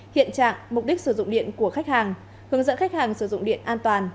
hiện trạng mục đích sử dụng điện của khách hàng hướng dẫn khách hàng sử dụng điện an toàn